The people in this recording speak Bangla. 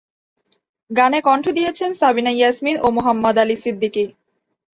গানে কণ্ঠ দিয়েছেন সাবিনা ইয়াসমিন ও মোহাম্মদ আলী সিদ্দিকী।